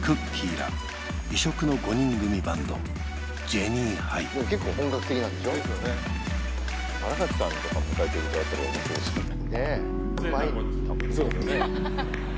ら異色の５人組バンドジェニーハイ結構本格的なんでしょ？ですよね新垣さんとか迎えてるあたり面白いですよね